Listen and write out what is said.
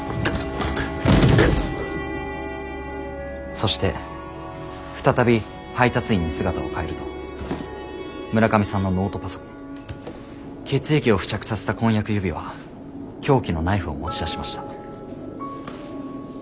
そして再び配達員に姿を変えると村上さんのノートパソコン血液を付着させた婚約指輪凶器のナイフを持ち出しました。